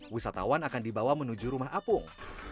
wisatawan akan dibawa menuju rumah apung